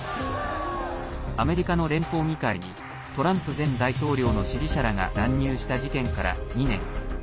アメリカの連邦議会にトランプ前大統領の支持者らが乱入した事件から２年。